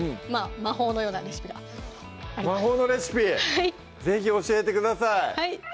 魔法のようなレシピが魔法のレシピ是非教えてください